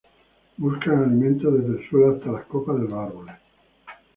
Buscan alimento desde el suelo hasta las copas de los árboles.